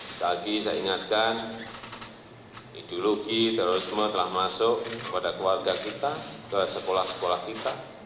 sekali lagi saya ingatkan ideologi terorisme telah masuk kepada keluarga kita ke sekolah sekolah kita